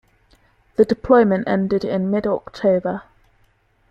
The deployment ended in mid-October.